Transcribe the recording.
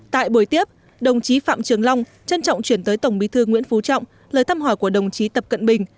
tại buổi tiếp đồng chí phạm trường long trân trọng chuyển tới tổng bí thư nguyễn phú trọng lời thăm hỏi của đồng chí tập cận bình